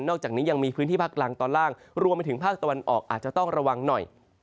อกจากนี้ยังมีพื้นที่ภาคกลางตอนล่างรวมไปถึงภาคตะวันออกอาจจะต้องระวังหน่อย